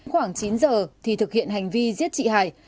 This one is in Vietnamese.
khoảng chín giờ thì thực hiện hành vi giết chị hải